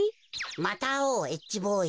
またあおうＨボーイ。